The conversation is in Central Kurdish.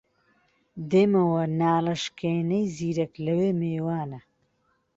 دێمەوە ناڵەشکێنەی زیرەک لەوێ میوانە